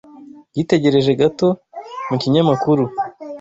Yitegereje gato mu kinyamakuru.